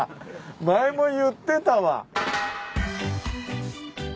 前も言ってたわ。